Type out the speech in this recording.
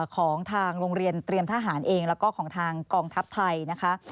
ของทางโรงเรียนเตรียมทหารเองแล้วก็ของทางกองทัพไทยนะคะ